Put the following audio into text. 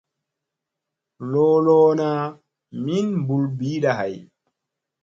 Loloona min mɓul ɓiiɗa hay.